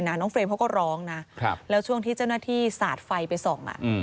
น้องเฟรมเขาก็ร้องนะแล้วช่วงที่เจ้าหน้าที่สาดไฟไปส่อง